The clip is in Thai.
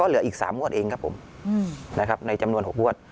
ก็เหลืออีกสามงวดเองครับผมอืมนะครับในจำนวนหกวัด